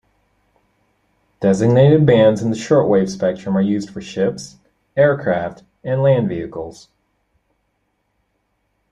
Designated bands in the shortwave spectrum are used for ships, aircraft, and land vehicles.